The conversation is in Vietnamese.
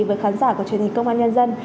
với khán giả của truyền hình công an nhân dân